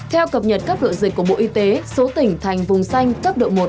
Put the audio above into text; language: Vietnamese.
theo cập nhật cấp độ dịch của bộ y tế số tỉnh thành vùng xanh cấp độ một